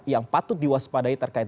yang patut diwaspadai terkait dengan ini